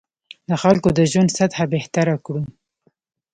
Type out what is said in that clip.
د خلکو د ژوند سطح بهتره کړو.